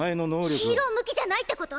ヒーロー向きじゃないってこと？